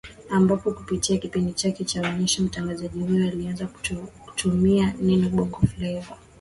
ambapo kupitia kipindi chake cha onyesha mtangazaji huyo alianza kulitumia neno Bongo Fleva